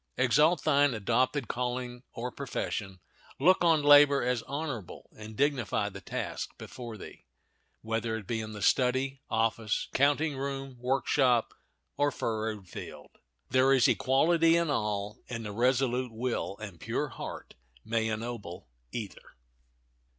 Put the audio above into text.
Exalt thine adopted calling or profession. Look on labor as honorable, and dignify the task before thee, whether it be in the study, office, counting room, workshop, or furrowed field. There is equality in all, and the resolute will and pure heart may ennoble either.